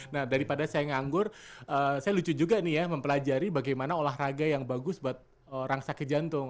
nah daripada saya nganggur saya lucu juga nih ya mempelajari bagaimana olahraga yang bagus buat rangsa ke jantung